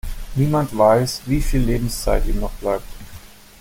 Niemand weiß, wie viel Lebenszeit ihm noch bleibt.